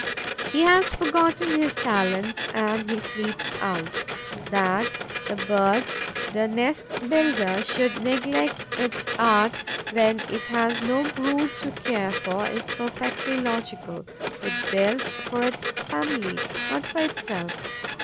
He has forgotten his talents and he sleeps out. That the bird, the nest builder, should neglect its art when it has no brood to care for is perfectly logical: it builds for its family, not for itself.